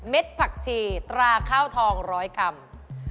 เม็ดผักชีตราข้าวทอง๑๐๐กรัม